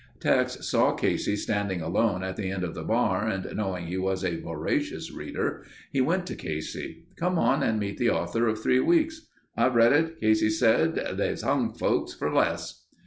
Tex saw Casey standing alone at the end of the bar and knowing he was a voracious reader he went to Casey: "Come on and meet the author of Three Weeks...." "I've read it," Casey said. "They've hung folks for less."